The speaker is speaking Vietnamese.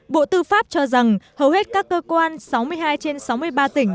bộ tư pháp cho rằng hầu hết các cơ quan sáu mươi hai trên sáu mươi ba tỉnh